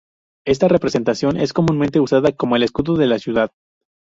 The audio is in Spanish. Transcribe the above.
Esta representación es comúnmente usada como el escudo de la ciudad.